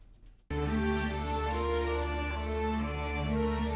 saya minum air saja